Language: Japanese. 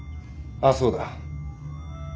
あっそうだ。